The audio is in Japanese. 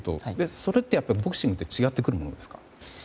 それって、ボクシングでは違ってくるものなんですか？